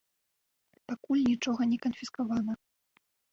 Пакуль нічога не канфіскавана.